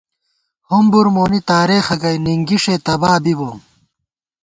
ہُمبُر مونی تارېخہ گئ ، نِنگِݭے تبا بی بوم